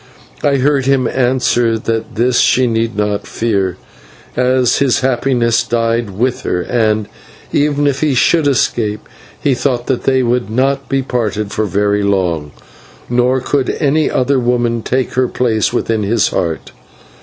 I heard him answer that this she need not fear, as his happiness died with her, and, even if he should escape, he thought that they would not be parted for very long, nor could any other woman take her place within his heart.